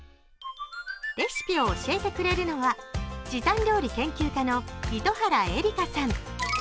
レシピを教えてくれるのは時短料理研究家の糸原絵里香さん。